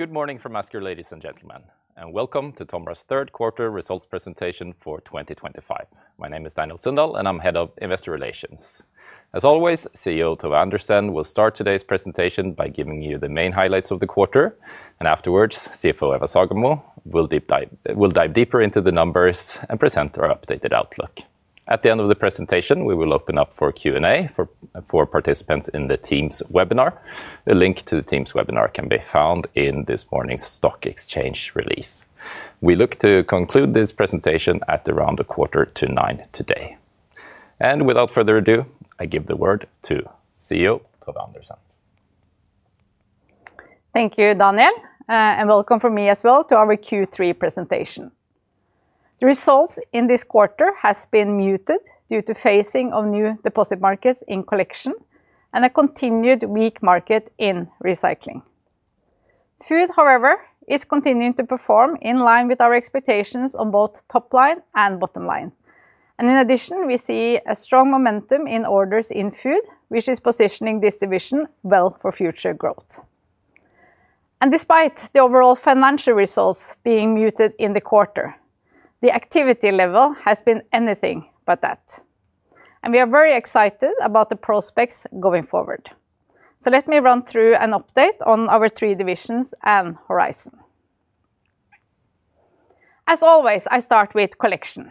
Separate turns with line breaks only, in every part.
Good morning, ladies and gentlemen, and welcome to TOMRA's Third Quarter Results Presentation for 2025. My name is Daniel Sundahl, and I'm Head of Investor Relations. As always, CEO Tove Andersen will start today's presentation by giving you the main highlights of the quarter. Afterwards, CFO Eva Sagemo will dive deeper into the numbers and present our updated outlook. At the end of the presentation, we will open up for Q&A for participants in the Teams webinar. A link to the Teams webinar can be found in this morning's stock exchange release. We look to conclude this presentation at around 8:45 A.M. today. Without further ado, I give the word to CEO Tove Andersen.
Thank you, Daniel, and welcome from me as well to our Q3 presentation. The results in this quarter have been muted due to the phasing of new deposit markets in Collection and a continued weak market in Recycling. Food, however, is continuing to perform in line with our expectations on both top line and bottom line. In addition, we see a strong momentum in orders in Food, which is positioning this division well for future growth. Despite the overall financial results being muted in the quarter, the activity level has been anything but that. We are very excited about the prospects going forward. Let me run through an update on our three divisions and Horizon. As always, I start with Collection.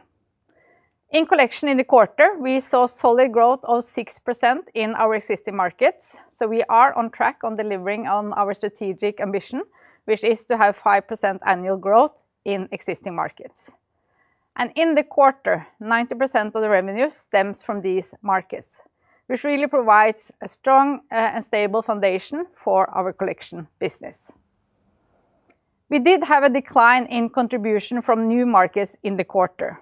In Collection in the quarter, we saw a solid growth of 6% in our existing markets. We are on track on delivering on our strategic ambition, which is to have 5% annual growth in existing markets. In the quarter, 90% of the revenue stems from these markets, which really provides a strong and stable foundation for our Collection business. We did have a decline in contribution from new markets in the quarter.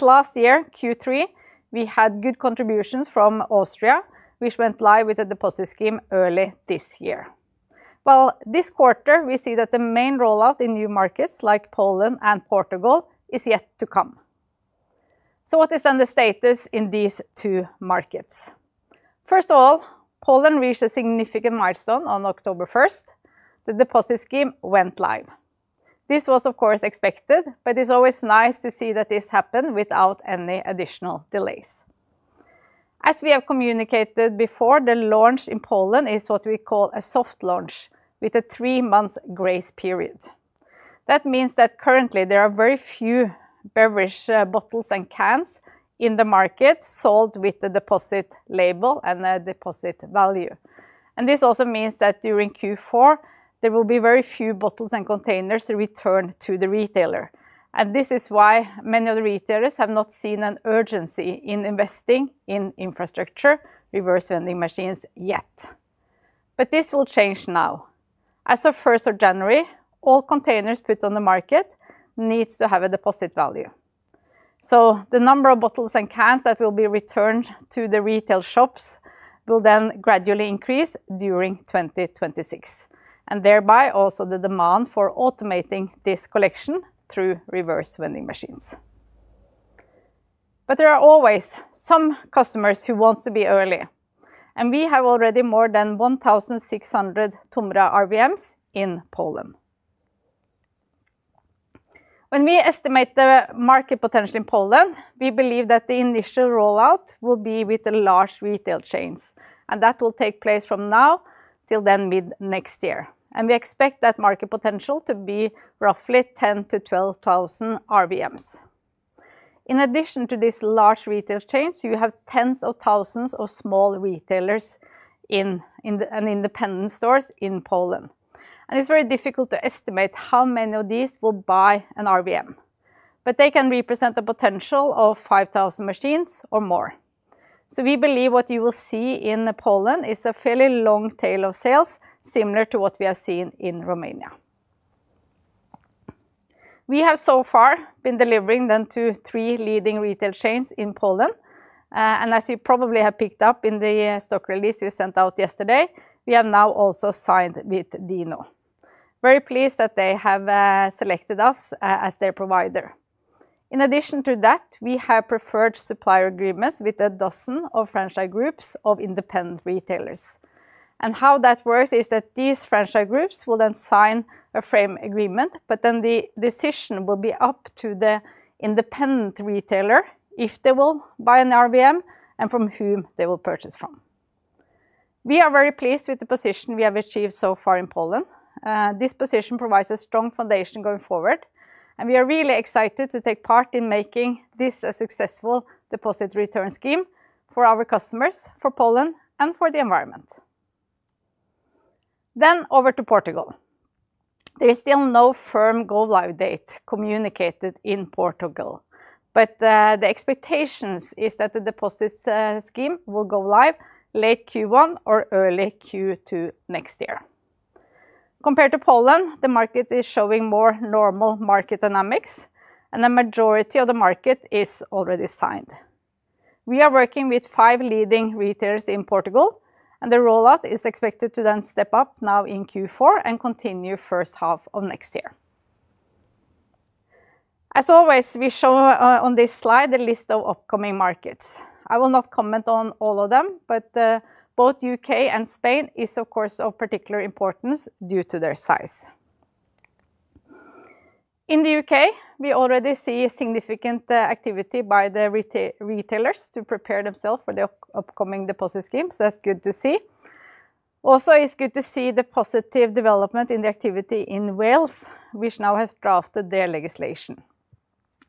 Last year, Q3, we had good contributions from Austria, which went live with a deposit scheme early this year. This quarter, we see that the main rollout in new markets like Poland and Portugal is yet to come. What is then the status in these two markets? First of all, Poland reached a significant milestone on October 1st. The deposit scheme went live. This was, of course, expected, but it's always nice to see that this happened without any additional delays. As we have communicated before, the launch in Poland is what we call a soft launch with a three-month grace period. That means that currently there are very few beverage bottles and cans in the market sold with the deposit label and the deposit value. This also means that during Q4, there will be very few bottles and containers returned to the retailer. This is why many of the retailers have not seen an urgency in investing in infrastructure, reverse vending machines yet. This will change now. As of first of January, all containers put on the market need to have a deposit value. The number of bottles and cans that will be returned to the retail shops will then gradually increase during 2026, and thereby also the demand for automating this collection through reverse vending machines. There are always some customers who want to be early. We have already more than 1,600 TOMRA RVMs in Poland. When we estimate the market potential in Poland, we believe that the initial rollout will be with the large retail chains, and that will take place from now till mid-next year. We expect that market potential to be roughly 10,000-12,000 RVMs. In addition to these large retail chains, you have tens of thousands of small retailers and independent stores in Poland. It is very difficult to estimate how many of these will buy an RVM, but they can represent the potential of 5,000 machines or more. We believe what you will see in Poland is a fairly long tail of sales, similar to what we have seen in Romania. We have so far been delivering to three leading retail chains in Poland. As you probably have picked up in the stock release we sent out yesterday, we have now also signed with Dino. We are very pleased that they have selected us as their provider. In addition to that, we have preferred supplier agreements with a dozen franchise groups of independent retailers. How that works is that these franchise groups will sign a frame agreement, but the decision will be up to the independent retailer if they will buy an RVM and from whom they will purchase from. We are very pleased with the position we have achieved so far in Poland. This position provides a strong foundation going forward, and we are really excited to take part in making this a successful deposit return scheme for our customers, for Poland, and for the environment. Over to Portugal. There is still no firm go-live date communicated in Portugal, but the expectation is that the deposit scheme will go live late Q1 or early Q2 next year. Compared to Poland, the market is showing more normal market dynamics, and the majority of the market is already signed. We are working with five leading retailers in Portugal, and the rollout is expected to step up now in Q4 and continue the first half of next year. As always, we show on this slide a list of upcoming markets. I will not comment on all of them, but both U.K. and Spain are of course of particular importance due to their size. In the U.K., we already see significant activity by the retailers to prepare themselves for the upcoming deposit scheme, so that is good to see. Also, it is good to see the positive development in the activity in Wales, which now has drafted their legislation.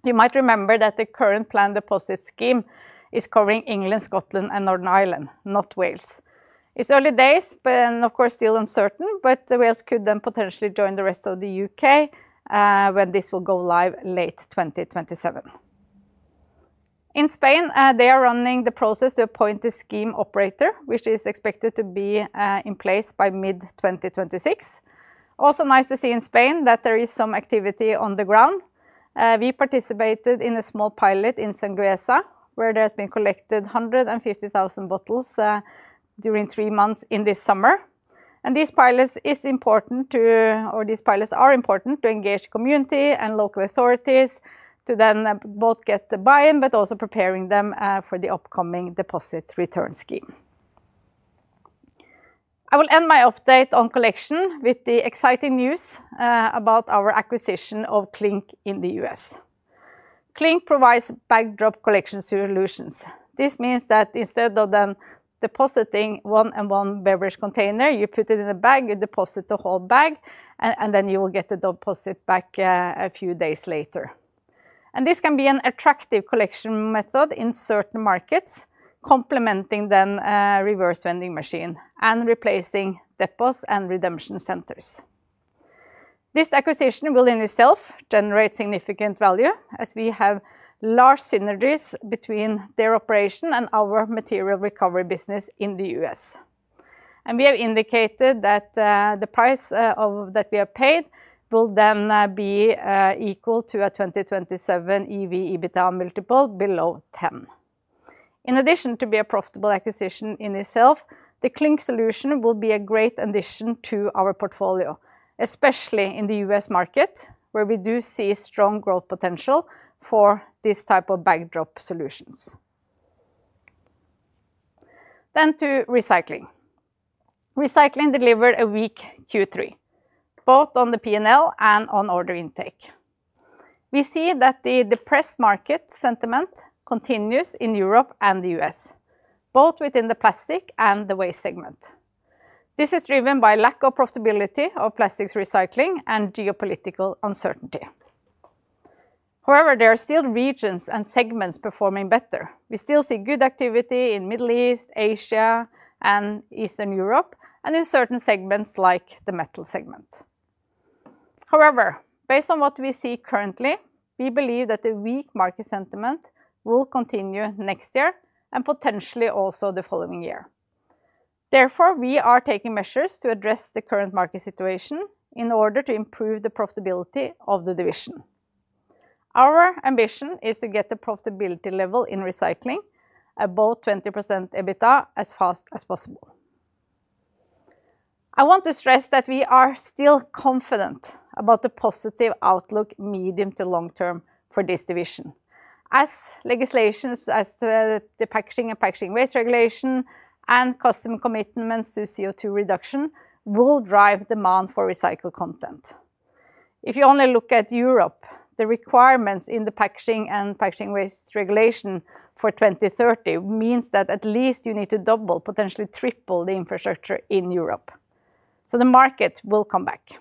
You might remember that the current planned deposit scheme is covering England, Scotland, and Northern Ireland, not Wales. It's early days, but of course still uncertain, but Wales could then potentially join the rest of the U.K. when this will go live late 2027. In Spain, they are running the process to appoint a scheme operator, which is expected to be in place by mid-2026. Also nice to see in Spain that there is some activity on the ground. We participated in a small pilot in Sangüesa, where there have been collected 150,000 bottles during three months in this summer. These pilots are important to engage the community and local authorities to then both get the buy-in, but also preparing them for the upcoming deposit return scheme. I will end my update on Collection with the exciting news about our acquisition of CLYNK in the U.S. CLYNK provides bag drop collection solutions. This means that instead of depositing one-on-one beverage container, you put it in a bag, you deposit the whole bag, and then you will get the deposit back a few days later. This can be an attractive collection method in certain markets, complementing the reverse vending machine and replacing depots and redemption centers. This acquisition will in itself generate significant value as we have large synergies between their operation and our material recovery business in the U.S. We have indicated that the price that we have paid will then be equal to a 2027 [EV/EBITDA] multiple below 10x. In addition to being a profitable acquisition in itself, the CLYNK solution will be a great addition to our portfolio, especially in the U.S. market, where we do see strong growth potential for this type of bag drop solutions. To recycling. Recycling delivered a weak Q3, both on the P&L and on order intake. We see that the depressed market sentiment continues in Europe and the U.S., both within the plastic and the waste segment. This is driven by lack of profitability of plastics recycling and geopolitical uncertainty. However, there are still regions and segments performing better. We still see good activity in the Middle East, Asia, and Eastern Europe, and in certain segments like the metal segment. However, based on what we see currently, we believe that the weak market sentiment will continue next year and potentially also the following year. Therefore, we are taking measures to address the current market situation in order to improve the profitability of the division. Our ambition is to get the profitability level in recycling above 20% EBITDA as fast as possible. I want to stress that we are still confident about the positive outlook medium to long term for this division, as legislations such as the E.U. Packaging and Packaging Waste Regulation and customer commitments to CO2 reduction will drive demand for recycled content. If you only look at Europe, the requirements in the E.U. Packaging and Packaging Waste Regulation for 2030 mean that at least you need to double, potentially triple, the infrastructure in Europe. The market will come back.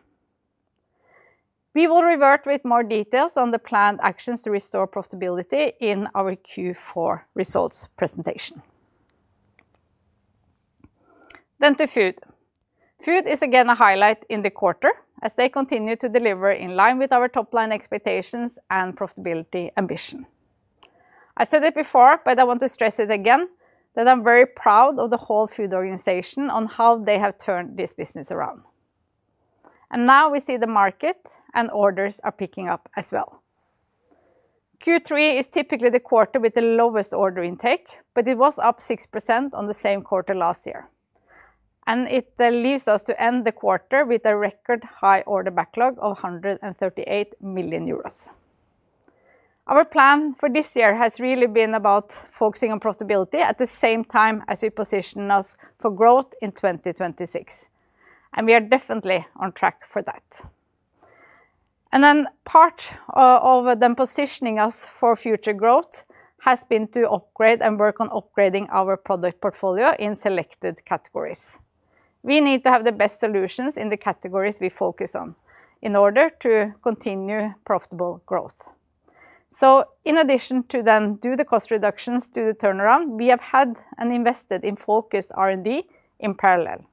We will revert with more details on the planned actions to restore profitability in our Q4 results presentation. To Food. Food is again a highlight in the quarter as they continue to deliver in line with our top-line expectations and profitability ambition. I said it before, but I want to stress it again, that I'm very proud of the whole Food organization on how they have turned this business around. Now we see the market and orders are picking up as well. Q3 is typically the quarter with the lowest order intake, but it was up 6% on the same quarter last year, and it leaves us to end the quarter with a record high order backlog of 138 million euros. Our plan for this year has really been about focusing on profitability at the same time as we position us for growth in 2026, and we are definitely on track for that. Part of positioning us for future growth has been to upgrade and work on upgrading our product portfolio in selected categories. We need to have the best solutions in the categories we focus on in order to continue profitable growth. In addition to the cost reductions to the turnaround, we have had and invested in focused R&D in parallel.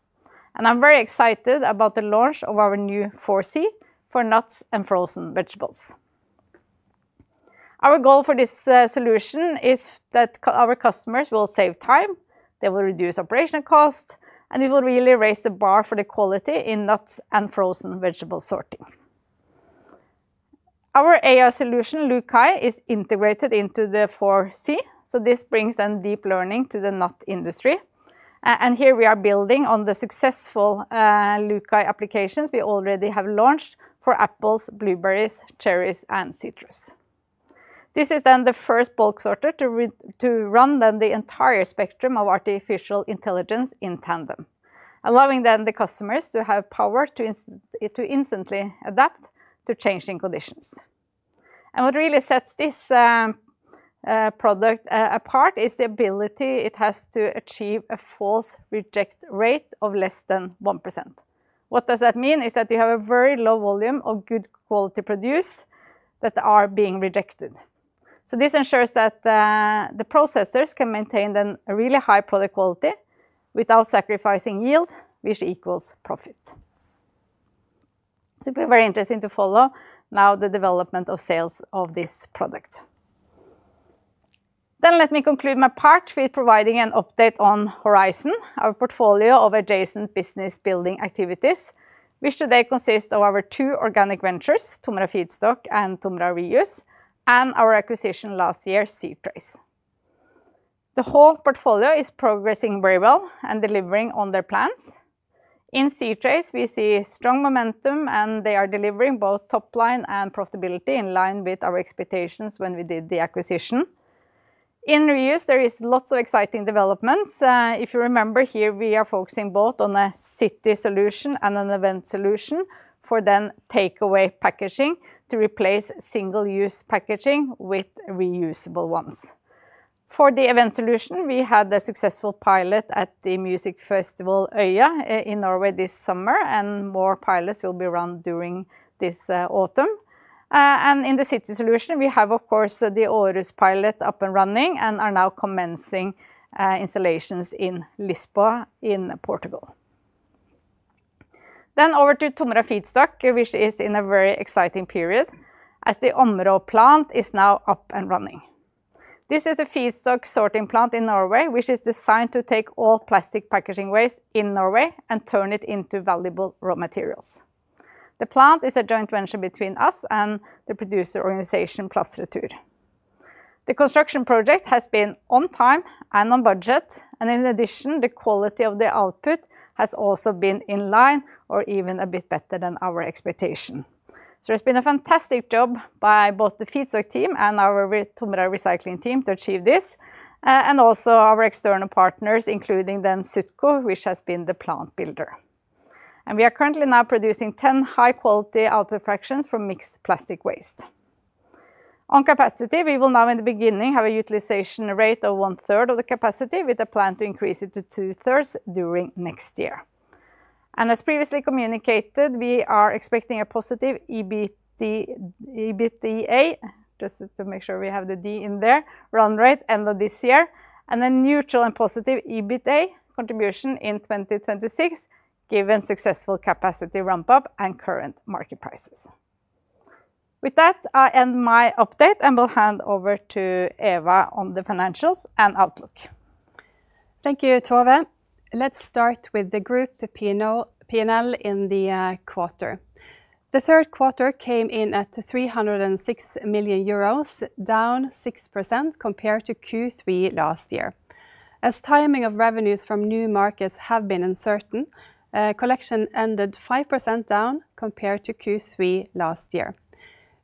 I'm very excited about the launch of our new 4C sorter for nuts and frozen vegetables. Our goal for this solution is that our customers will save time, they will reduce operational cost, and it will really raise the bar for the quality in nuts and frozen vegetable sorting. Our AI solution, LUCAi, is integrated into the 4C sorter. This brings deep learning to the nut industry, and here we are building on the successful LUCAi applications we already have launched for apples, blueberries, cherries, and citrus. This is the first bulk sorter to run the entire spectrum of artificial intelligence in tandem, allowing the customers to have power to instantly adapt to changing conditions. What really sets this product apart is the ability it has to achieve a false reject rate of less than 1%. What does that mean? It means that you have a very low volume of good quality produce that is being rejected. This ensures that the processors can maintain a really high product quality without sacrificing yield, which equals profit. It's very interesting to follow now the development of sales of this product. Let me conclude my part with providing an update on the Horizon, our portfolio of adjacent business building activities, which today consist of our two organic ventures, TOMRA Feedstock and TOMRA Reuse, and our acquisition last year, c-trace. The whole portfolio is progressing very well and delivering on their plans. In c-trace, we see strong momentum and they are delivering both top line and profitability in line with our expectations when we did the acquisition. In Reuse, there are lots of exciting developments. If you remember, here we are focusing both on a city solution and an event solution for takeaway packaging to replace single-use packaging with reusable ones. For the event solution, we had a successful pilot at the music festival Øya in Norway this summer, and more pilots will be run during this autumn. In the city solution, we have, of course, the [Aarhus] pilot up and running and are now commencing installations in Lisbon in Portugal. Over to TOMRA Feedstock, which is in a very exciting period as the Områ plant is now up and running. This is a Feedstock sorting plant in Norway, which is designed to take all plastic packaging waste in Norway and turn it into valuable raw materials. The plant is a joint venture between us and the producer organization Plastretur. The construction project has been on time and on budget, and in addition, the quality of the output has also been in line or even a bit better than our expectation. It's been a fantastic job by both the Feedstock team and our TOMRA Recycling team to achieve this, and also our external partners, including Sutco, which has been the plant builder. We are currently now producing 10 high-quality output fractions from mixed plastic waste. On capacity, we will now, in the beginning, have a utilization rate of 1/3 of the capacity with a plan to increase it to 2/3 during next year. As previously communicated, we are expecting a positive EBITDA, just to make sure we have the D in there, run rate end of this year, and a neutral and positive EBITDA contribution in 2026, given successful capacity ramp-up and current market prices. With that, I end my update and will hand over to Eva on the financials and outlook.
Thank you, Tove. Let's start with the group P&L in the quarter. The third quarter came in at 306 million euros, down 6% compared to Q3 last year. As timing of revenues from new markets has been uncertain, Collection ended 5% down compared to Q3 last year.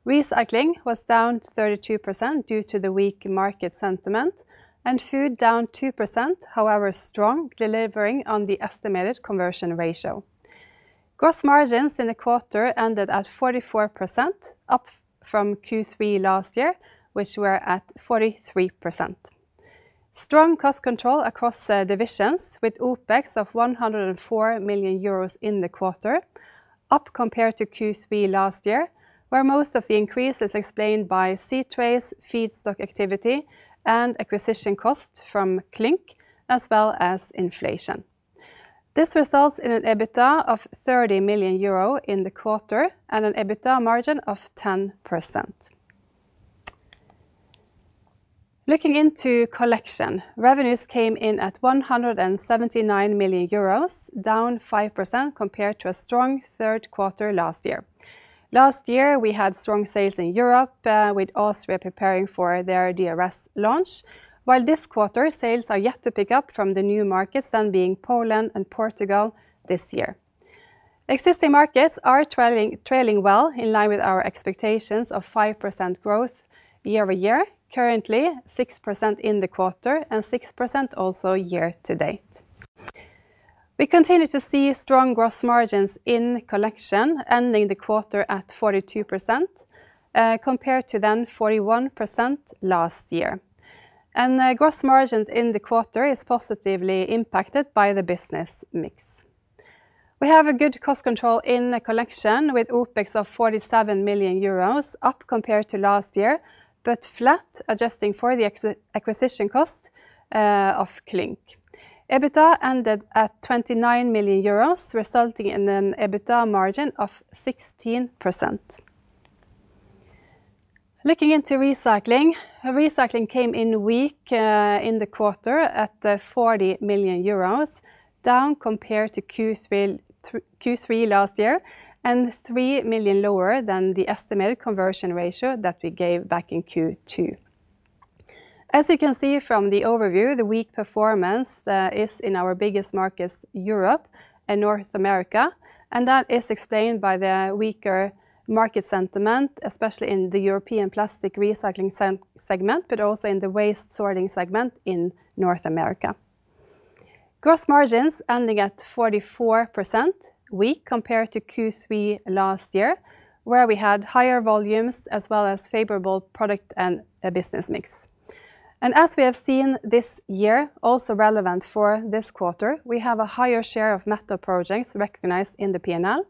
Recycling was down 32% due to the weak market sentiment, and Food down 2%, however strong delivering on the estimated conversion ratio. Gross margins in the quarter ended at 44%, up from Q3 last year, which were at 43%. Strong cost control across divisions with OpEx of 104 million euros in the quarter, up compared to Q3 last year, where most of the increase is explained by c-trace Feedstock activity and acquisition cost from CLYNK, as well as inflation. This results in an EBITDA of 30 million euro in the quarter and an EBITDA margin of 10%. Looking into Collection, revenues came in at 179 million euros, down 5% compared to a strong third quarter last year. Last year, we had strong sales in Europe, with Austria preparing for their deposit return scheme launch, while this quarter sales are yet to pick up from the new markets, then being Poland and Portugal this year. Existing markets are trailing well in line with our expectations of 5% growth year-over-year, currently 6% in the quarter and 6% also year to date. We continue to see strong gross margins in Collection, ending the quarter at 42% compared to then 41% last year. Gross margins in the quarter are positively impacted by the business mix. We have good cost control in Collection with OpEx of 47 million euros, up compared to last year, but flat, adjusting for the acquisition cost of CLYNK. EBITDA ended at 29 million euros, resulting in an EBITDA margin of 16%. Looking into recycling, recycling came in weak in the quarter at 40 million euros, down compared to Q3 last year and 3 million lower than the estimated conversion ratio that we gave back in Q2. As you can see from the overview, the weak performance is in our biggest markets, Europe and North America, and that is explained by the weaker market sentiment, especially in the European Plastic Recycling segment, but also in the Waste Sorting segment in North America. Gross margins ending at 44%, weak compared to Q3 last year, where we had higher volumes as well as favorable product and business mix. As we have seen this year, also relevant for this quarter, we have a higher share of metal projects recognized in the P&L,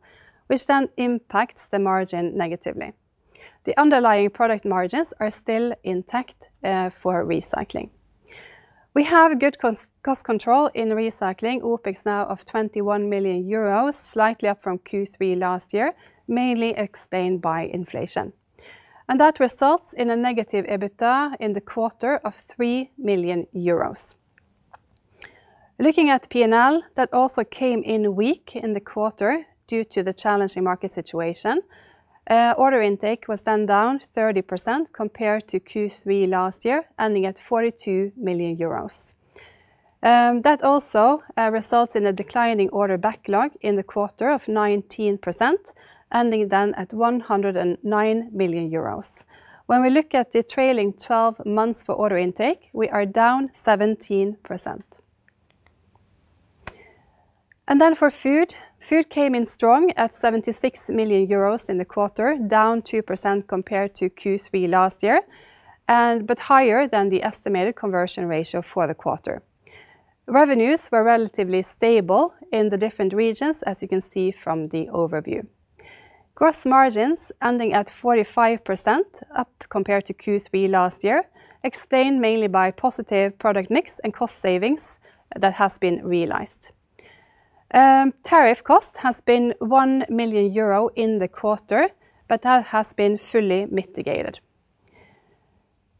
which then impacts the margin negatively. The underlying product margins are still intact for recycling. We have good cost control in recycling, OpEx now of 21 million euros, slightly up from Q3 last year, mainly explained by inflation. That results in a negative EBITDA in the quarter of 3 million euros. Looking at P&L, that also came in weak in the quarter due to the challenging market situation. Order intake was then down 30% compared to Q3 last year, ending at 42 million euros. That also results in a declining order backlog in the quarter of 19%, ending then at 109 million euros. When we look at the trailing 12 months for order intake, we are down 17%. For Food, Food came in strong at 76 million euros in the quarter, down 2% compared to Q3 last year, but higher than the estimated conversion ratio for the quarter. Revenues were relatively stable in the different regions, as you can see from the overview. Gross margins ending at 45%, up compared to Q3 last year, explained mainly by positive product mix and cost savings that have been realized. Tariff cost has been 1 million euro in the quarter, but that has been fully mitigated.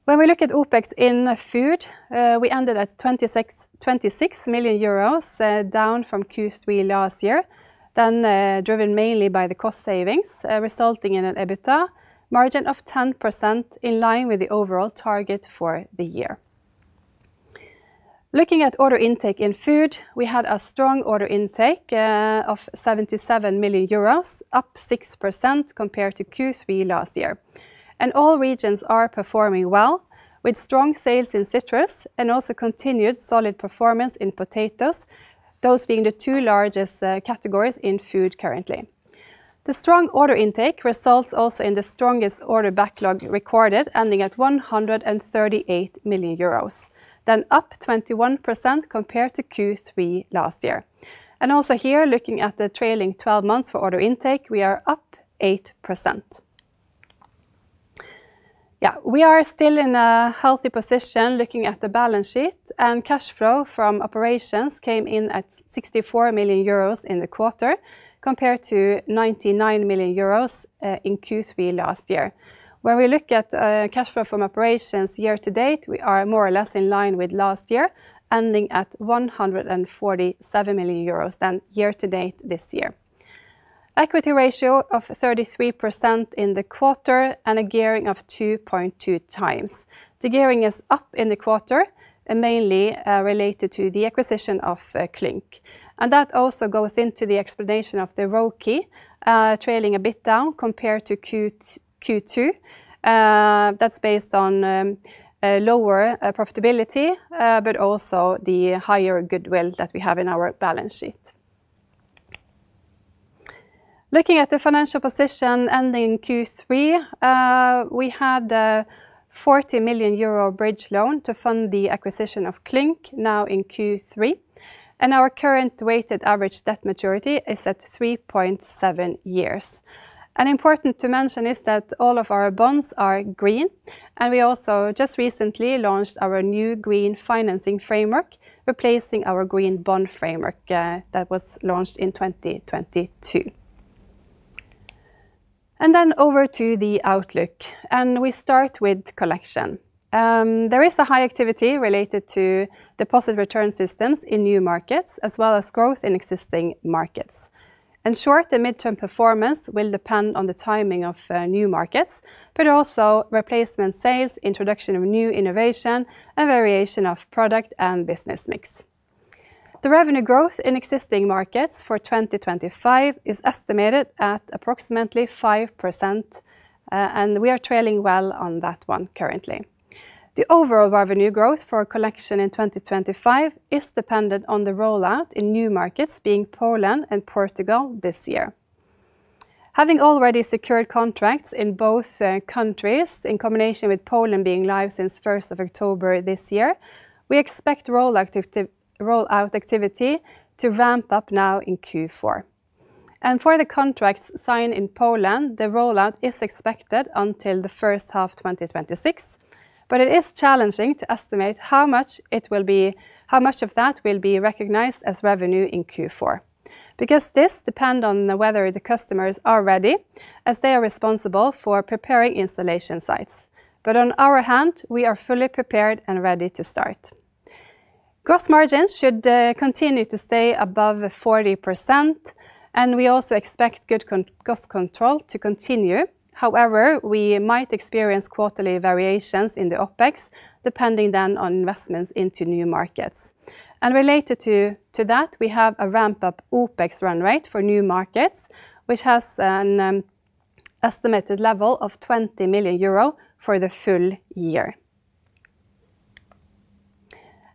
When we look at OpEx in Food, we ended at 26 million euros, down from Q3 last year, then driven mainly by the cost savings, resulting in an EBITDA margin of 10% in line with the overall target for the year. Looking at order intake in Food, we had a strong order intake of 77 million euros, up 6% compared to Q3 last year. All regions are performing well, with strong sales in citrus and also continued solid performance in potatoes, those being the two largest categories in Food currently. The strong order intake results also in the strongest order backlog recorded, ending at 138 million euros, then up 21% compared to Q3 last year. Also here, looking at the trailing 12 months for order intake, we are up 8%. Yeah, we are still in a healthy position looking at the balance sheet, and cash flow from operations came in at 64 million euros in the quarter compared to 99 million euros in Q3 last year. When we look at cash flow from operations year to date, we are more or less in line with last year, ending at 147 million euros year to date this year. Equity ratio of 33% in the quarter and a gearing of 2.2x. The gearing is up in the quarter, mainly related to the acquisition of CLYNK. That also goes into the explanation of the ROCI trailing a bit down compared to Q2. That's based on lower profitability, but also the higher goodwill that we have in our balance sheet. Looking at the financial position ending in Q3, we had a 40 million euro bridge loan to fund the acquisition of CLYNK now in Q3, and our current weighted average debt maturity is at 3.7 years. Important to mention is that all of our bonds are green, and we also just recently launched our new green financing framework, replacing our green bond framework that was launched in 2022. Over to the outlook, and we start with Collection. There is a high activity related to deposit return systems in new markets, as well as growth in existing markets. In short, the midterm performance will depend on the timing of new markets, but also replacement sales, introduction of new innovation, and variation of product and business mix. The revenue growth in existing markets for 2025 is estimated at approximately 5%, and we are trailing well on that one currently. The overall revenue growth for Collection in 2025 is dependent on the rollout in new markets, being Poland and Portugal this year. Having already secured contracts in both countries, in combination with Poland being live since 1st of October this year, we expect rollout activity to ramp up now in Q4. For the contracts signed in Poland, the rollout is expected until the first half of 2026, but it is challenging to estimate how much of that will be recognized as revenue in Q4. This depends on whether the customers are ready, as they are responsible for preparing installation sites. On our hand, we are fully prepared and ready to start. Gross margins should continue to stay above 40%, and we also expect good cost control to continue. However, we might experience quarterly variations in the OpEx, depending on investments into new markets. Related to that, we have a ramp-up OpEx run rate for new markets, which has an estimated level of 20 million euro for the full year.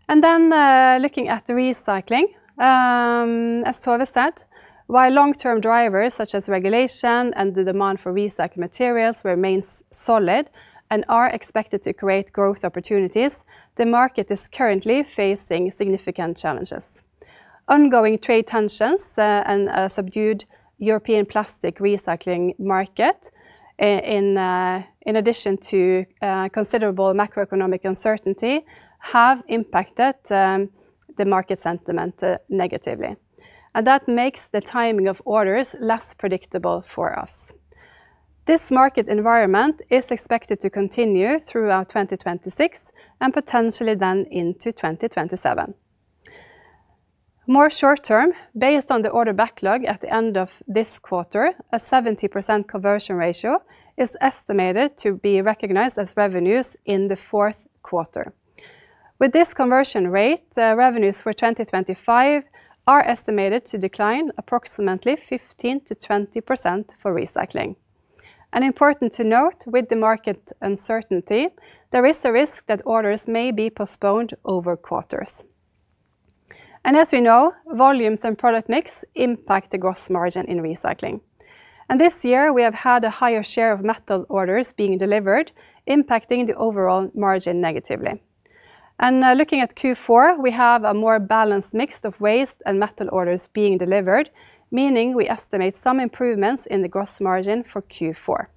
Looking at recycling, as Tove said, while long-term drivers such as regulation and the demand for recycled materials remain solid and are expected to create growth opportunities, the market is currently facing significant challenges. Ongoing trade tensions and a subdued European plastic recycling market, in addition to considerable macroeconomic uncertainty, have impacted the market sentiment negatively. That makes the timing of orders less predictable for us. This market environment is expected to continue throughout 2026 and potentially into 2027. More short term, based on the order backlog at the end of this quarter, a 70% conversion ratio is estimated to be recognized as revenues in the fourth quarter. With this conversion rate, revenues for 2025 are estimated to decline approximately 15%-20% for recycling. It is important to note, with the market uncertainty, there is a risk that orders may be postponed over quarters. As we know, volumes and product mix impact the gross margin in recycling. This year, we have had a higher share of metal orders being delivered, impacting the overall margin negatively. Looking at Q4, we have a more balanced mix of waste and metal orders being delivered, meaning we estimate some improvements in the gross margin for Q4.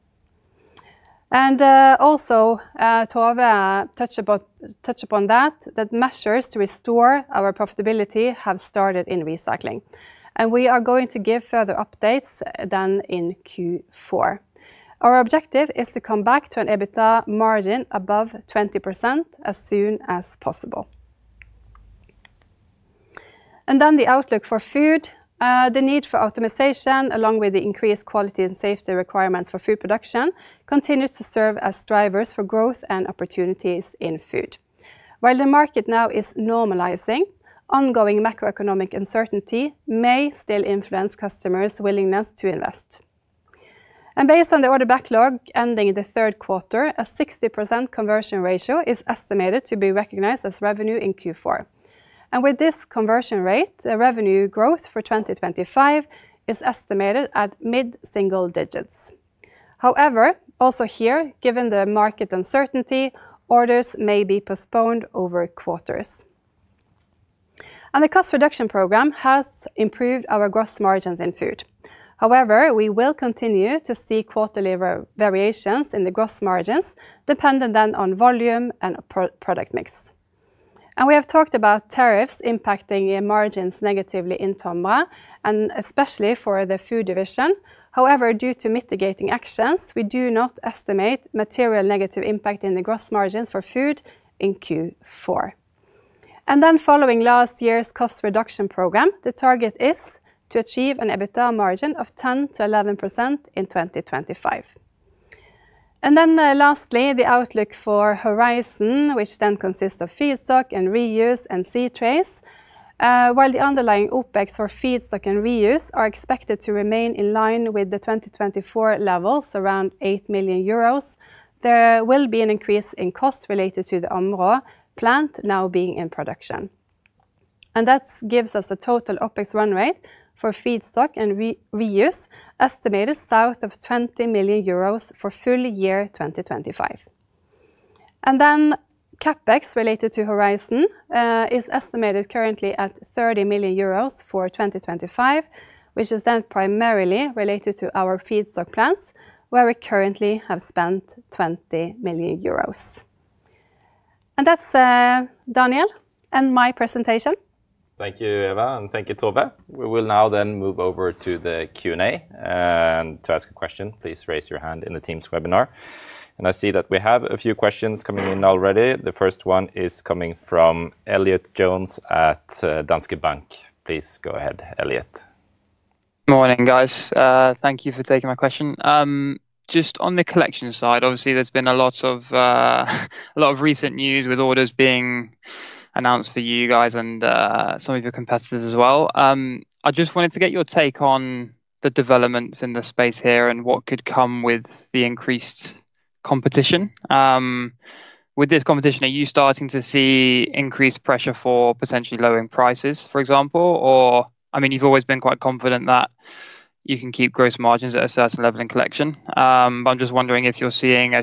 Tove touched upon that measures to restore our profitability have started in recycling. We are going to give further updates in Q4. Our objective is to come back to an EBITDA margin above 20% as soon as possible. The outlook for Food, the need for optimization, along with the increased quality and safety requirements for food production, continue to serve as drivers for growth and opportunities in Food. While the market now is normalizing, ongoing macroeconomic uncertainty may still influence customers' willingness to invest. Based on the order backlog ending in the third quarter, a 60% conversion ratio is estimated to be recognized as revenue in Q4. With this conversion rate, revenue growth for 2025 is estimated at mid-single digits. However, also here, given the market uncertainty, orders may be postponed over quarters. The cost reduction program has improved our gross margins in Food. However, we will continue to see quarterly variations in the gross margins, dependent then on volume and product mix. We have talked about tariffs impacting margins negatively in TOMRA, and especially for the Food division. However, due to mitigating actions, we do not estimate material negative impact in the gross margins for Food in Q4. Following last year's cost reduction program, the target is to achieve an EBITDA margin of 10%-11% in 2025. Lastly, the outlook for Horizon, which then consists of Feedstock and Reuse and c-trace, while the underlying OpEx for Feedstock and Reuse are expected to remain in line with the 2024 levels, around 8 million euros, there will be an increase in costs related to the Områ Feedstock plant now being in production. That gives us a total OpEx run rate for Feedstock and Reuse estimated south of 20 million euros for full year 2025. CapEx related to Horizon is estimated currently at 30 million euros for 2025, which is then primarily related to our Feedstock plants, where we currently have spent 20 million euros. That's Daniel and my presentation.
Thank you, Eva, and thank you, Tove. We will now move over to the Q&A. To ask a question, please raise your hand in the Teams webinar. I see that we have a few questions coming in already. The first one is coming from Elliott Jones at Danske Bank. Please go ahead, Elliott.
Morning, guys. Thank you for taking my question. Just on the Collection side, obviously there's been a lot of recent news with orders being announced for you guys and some of your competitors as well. I just wanted to get your take on the developments in the space here and what could come with the increased competition. With this competition, are you starting to see increased pressure for potentially lowering prices, for example? I mean, you've always been quite confident that you can keep gross margins at a certain level in Collection. I'm just wondering if you're seeing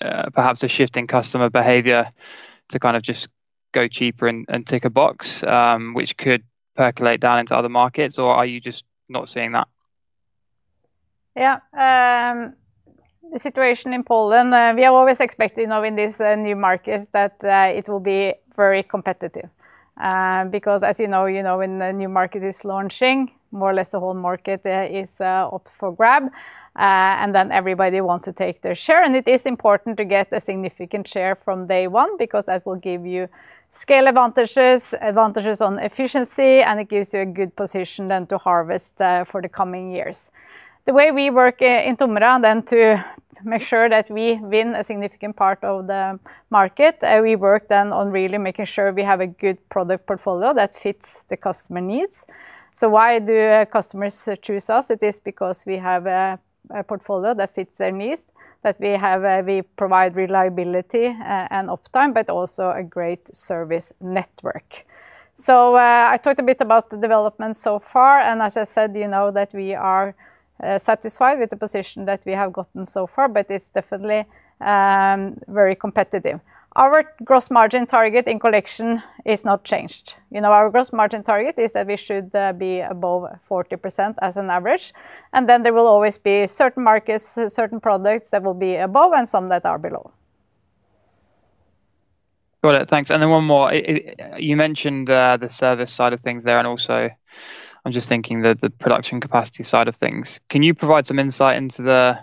perhaps a shift in customer behavior to kind of just go cheaper and tick a box, which could percolate down into other markets, or are you just not seeing that?
Yeah, the situation in Poland, we are always expecting in these new markets that it will be very competitive. Because as you know, when a new market is launching, more or less the whole market is up for grab. Everybody wants to take their share. It is important to get a significant share from day one because that will give you scale advantages, advantages on efficiency, and it gives you a good position to harvest for the coming years. The way we work in TOMRA to make sure that we win a significant part of the market, we work on really making sure we have a good product portfolio that fits the customer needs. Why do customers choose us? It is because we have a portfolio that fits their needs, that we provide reliability and uptime, but also a great service network. I talked a bit about the developments so far, and as I said, we are satisfied with the position that we have gotten so far, but it's definitely very competitive. Our gross margin target in Collection is not changed. Our gross margin target is that we should be above 40% as an average. There will always be certain markets, certain products that will be above, and some that are below.
Got it, thanks. One more, you mentioned the service side of things there, and also I'm just thinking that the production capacity side of things. Can you provide some insight into the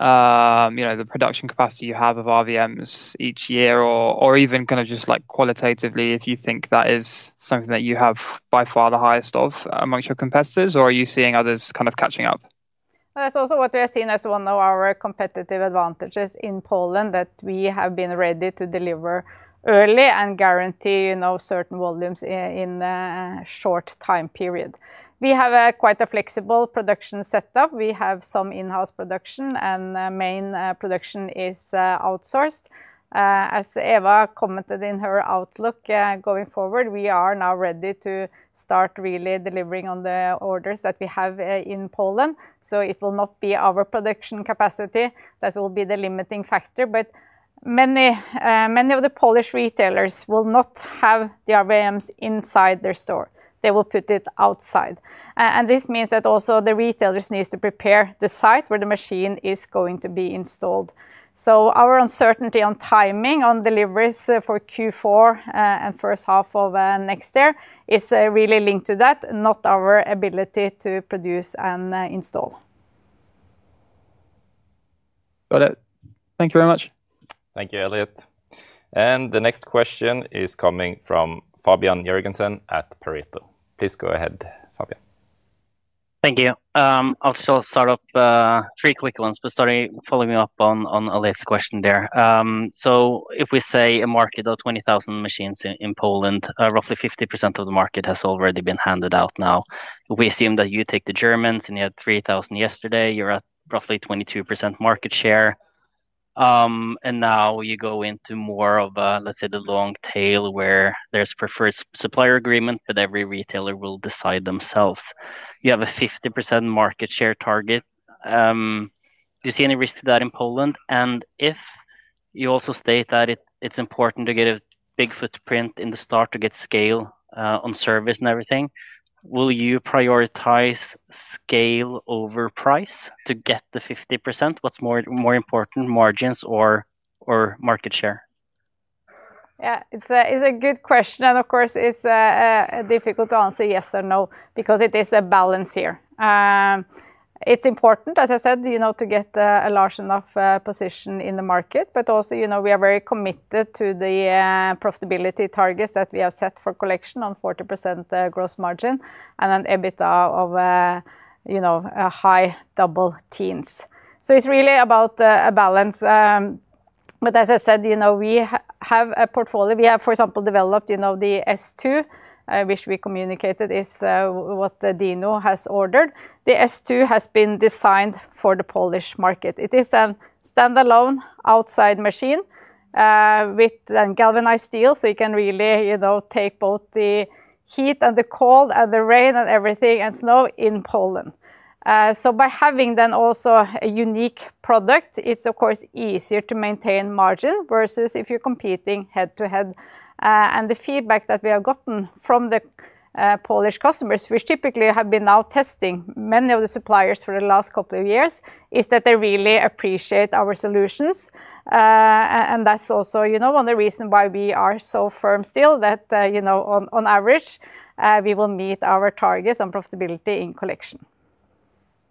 production capacity you have of reverse vending machines each year, or even kind of just like qualitatively, if you think that is something that you have by far the highest of amongst your competitors, or are you seeing others kind of catching up?
That's also what we are seeing as one of our competitive advantages in Poland, that we have been ready to deliver early and guarantee, you know, certain volumes in a short time period. We have quite a flexible production setup. We have some in-house production, and main production is outsourced. As Eva commented in her outlook, going forward, we are now ready to start really delivering on the orders that we have in Poland. It will not be our production capacity that will be the limiting factor, but many of the Polish retailers will not have the reverse vending machines inside their store. They will put it outside. This means that also the retailers need to prepare the site where the machine is going to be installed. Our uncertainty on timing on deliveries for Q4 and first half of next year is really linked to that, not our ability to produce and install.
Got it. Thank you very much.
Thank you, Elliott. The next question is coming from Fabian Jørgensen at Pareto. Please go ahead, Fabian.
Thank you. I'll start off with three quick ones, starting by following up on Elliott's question there. If we say a market of 20,000 machines in Poland, roughly 50% of the market has already been handed out now. If we assume that you take the Germans and you had 3,000 yesterday, you're at roughly 22% market share. Now you go into more of, let's say, the long tail where there's a preferred supplier agreement, but every retailer will decide themselves. You have a 50% market share target. Do you see any risk to that in Poland? If you also state that it's important to get a big footprint in the start to get scale on service and everything, will you prioritize scale over price to get the 50%? What's more important, margins or market share?
Yeah, it's a good question. Of course, it's difficult to answer yes or no, because it is a balance here. It's important, as I said, to get a large enough position in the market. We are very committed to the profitability targets that we have set for Collection on 40% gross margin and an EBITDA of high double teens. It's really about a balance. As I said, we have a portfolio. We have, for example, developed the [S2], which we communicated is what Dino has ordered. The S2 has been designed for the Polish market. It is a standalone outside machine with galvanized steel, so you can really take both the heat and the cold and the rain and everything and snow in Poland. By having then also a unique product, it's easier to maintain margin versus if you're competing head-to-head. The feedback that we have gotten from the Polish customers, which typically have been now testing many of the suppliers for the last couple of years, is that they really appreciate our solutions. That's also one of the reasons why we are so firm still that, on average, we will meet our targets on profitability in Collection.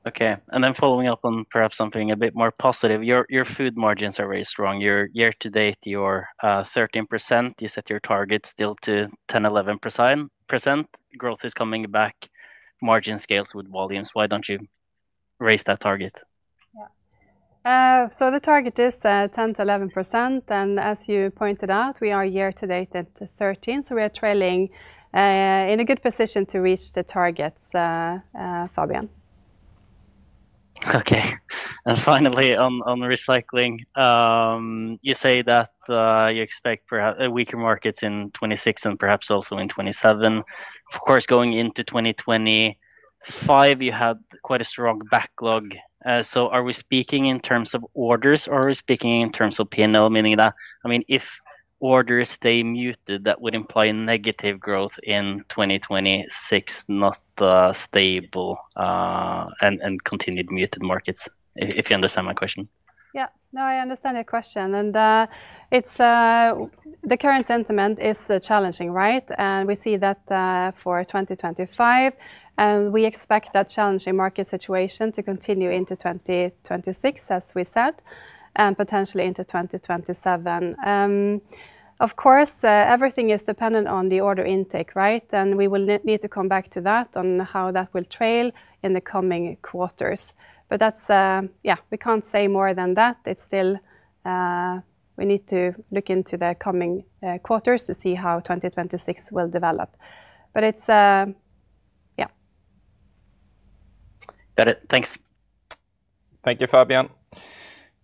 Okay, and then following up on perhaps something a bit more positive, your Food margins are very strong. Year-to-date, you're 13%. You set your target still to 10%-11%. Growth is coming back. Margin scales with volumes. Why don't you raise that target?
Yeah, the target is 10%-11%. As you pointed out, we are year-to-date at 13%, so we are trailing in a good position to reach the targets, Fabian.
Okay, finally on recycling, you say that you expect weaker markets in 2026 and perhaps also in 2027. Of course, going into 2025, you had quite a strong backlog. Are we speaking in terms of orders or are we speaking in terms of P&L? Meaning that, if orders stay muted, that would imply negative growth in 2026, not stable and continued muted markets, if you understand my question.
Yeah, no, I understand your question. The current sentiment is challenging, right? We see that for 2025, and we expect that challenging market situation to continue into 2026, as we said, and potentially into 2027. Of course, everything is dependent on the order intake, right? We will need to come back to that on how that will trail in the coming quarters. We can't say more than that. We need to look into the coming quarters to see how 2026 will develop.
Got it, thanks.
Thank you, Fabian.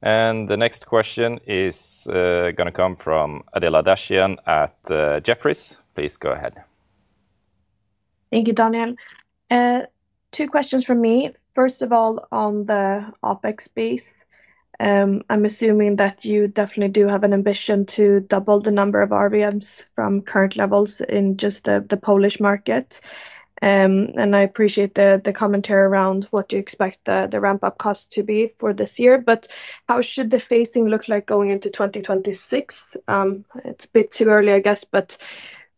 The next question is going to come from Adela Dashian at Jefferies. Please go ahead.
Thank you, Daniel. Two questions from me. First of all, on the OpEx space, I'm assuming that you definitely do have an ambition to double the number of RVMs from current levels in just the Polish market. I appreciate the commentary around what you expect the ramp-up cost to be for this year. How should the phasing look like going into 2026? It's a bit too early, I guess, but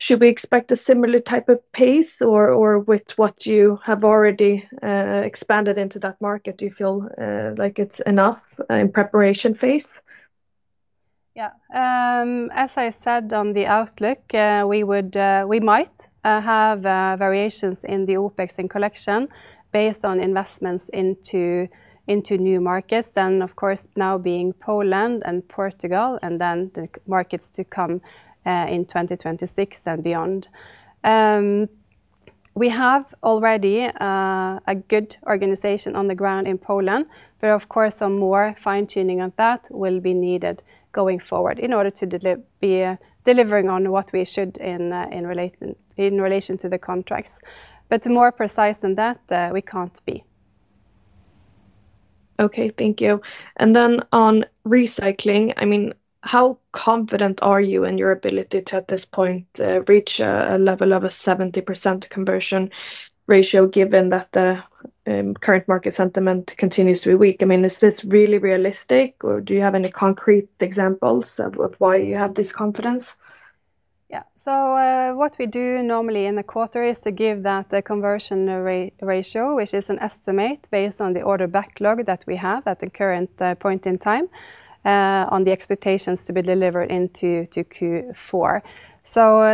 should we expect a similar type of pace or with what you have already expanded into that market? Do you feel like it's enough in the preparation phase?
As I said on the outlook, we might have variations in the OpEx in Collection based on investments into new markets. Of course, now being Poland and Portugal, and then the markets to come in 2026 and beyond. We have already a good organization on the ground in Poland, but of course, some more fine-tuning of that will be needed going forward in order to be delivering on what we should in relation to the contracts. More precise than that, we can't be.
Thank you. On recycling, how confident are you in your ability to at this point reach a level of a 70% conversion ratio given that the current market sentiment continues to be weak? Is this really realistic or do you have any concrete examples of why you have this confidence?
What we do normally in a quarter is to give that conversion ratio, which is an estimate based on the order backlog that we have at the current point in time on the expectations to be delivered into Q4.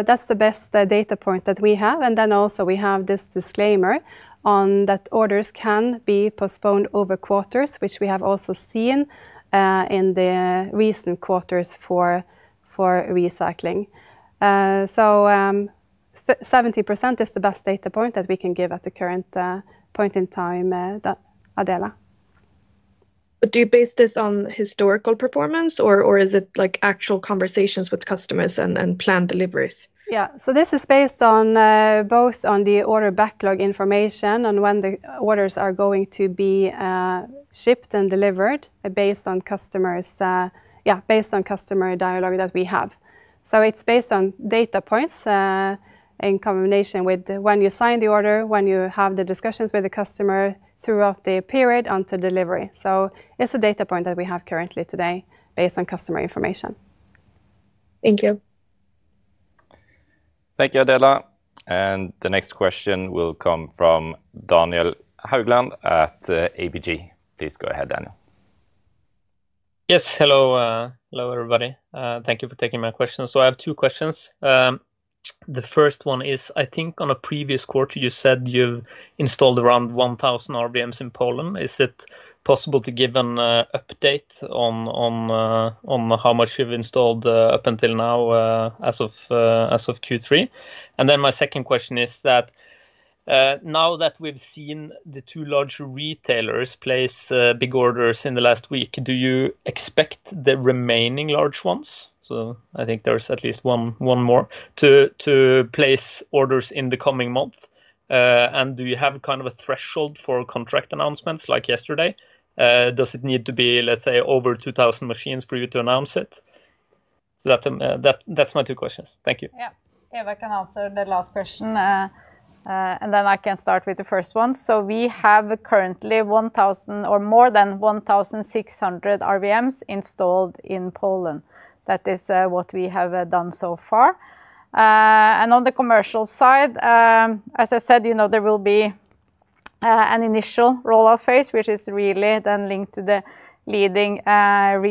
That's the best data point that we have. We also have this disclaimer that orders can be postponed over quarters, which we have also seen in the recent quarters for recycling. 70% is the best data point that we can give at the current point in time, Adela.
Do you base this on historical performance, or is it like actual conversations with customers and planned deliveries?
This is based both on the order backlog information and when the orders are going to be shipped and delivered based on customer dialogue that we have. It is based on data points in combination with when you sign the order, when you have the discussions with the customer throughout the period until delivery. It is a data point that we have currently today based on customer information.
Thank you.
Thank you, Adela. The next question will come from Daniel Haugland at ABG. Please go ahead, Daniel.
Yes, hello. Hello everybody. Thank you for taking my question. I have two questions. The first one is, I think on a previous quarter you said you've installed around 1,000 RVMs in Poland. Is it possible to give an update on how much you've installed up until now as of Q3? My second question is that now that we've seen the two large retailers place big orders in the last week, do you expect the remaining large ones? I think there's at least one more to place orders in the coming month. Do you have kind of a threshold for contract announcements like yesterday? Does it need to be, let's say, over 2,000 machines for you to announce it? That's my two questions. Thank you.
Eva can answer the last question. I can start with the first one. We have currently more than 1,600 reverse vending machines installed in Poland. That is what we have done so far. On the commercial side, as I said, there will be an initial rollout phase, which is really linked to the leading and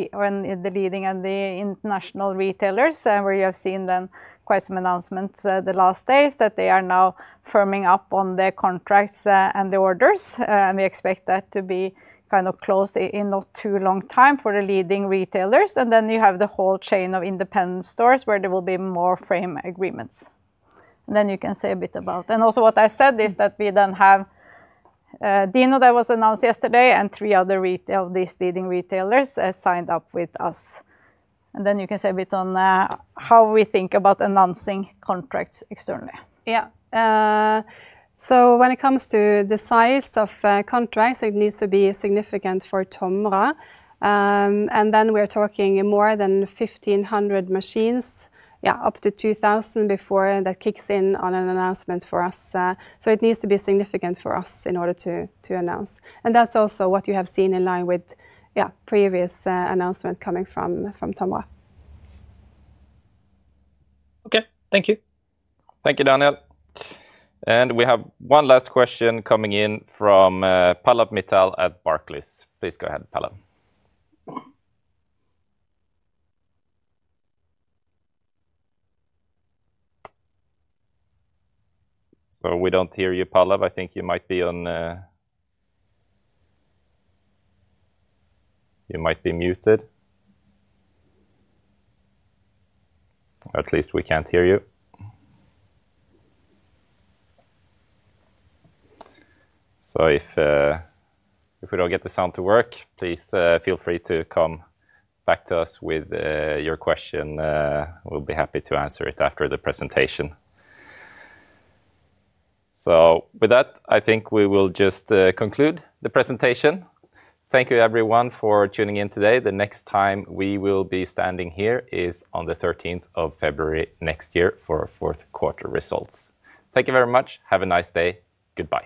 the international retailers, where you have seen quite some announcements the last days that they are now firming up on the contracts and the orders. We expect that to be kind of closed in not too long time for the leading retailers. You have the whole chain of independent stores where there will be more frame agreements. Also, what I said is that we have Dino that was announced yesterday and three other of these leading retailers signed up with us. You can say a bit on how we think about announcing contracts externally. When it comes to the size of contracts, it needs to be significant for TOMRA. We are talking more than 1,500 machines, up to 2,000 before that kicks in on an announcement for us. It needs to be significant for us in order to announce. That is also what you have seen in line with previous announcement coming from TOMRA.
Okay, thank you.
Thank you, Daniel. We have one last question coming in from Pallav Mittal at Barclays. Please go ahead, Palav. We don't hear you, Pallav. I think you might be muted. At least we can't hear you. If we don't get the sound to work, please feel free to come back to us with your question. We'll be happy to answer it after the presentation. With that, I think we will just conclude the presentation. Thank you, everyone, for tuning in today. The next time we will be standing here is on the 13th of February next year for our fourth quarter results. Thank you very much. Have a nice day. Goodbye.